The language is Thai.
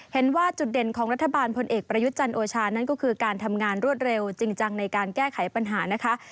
เห็นว่าจุดเด่นของรัฐบาลพลเอกประยุทธ์จันทร์โอชานั้นก็คือการทำงานรวดเร็วจริงจังในการแก้ไขปัญหานะคะ